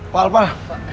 pak al pak